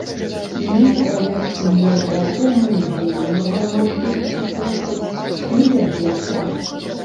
Ні пра якія гвалтоўныя дзеянні гаворкі ў суполцы не вядзецца.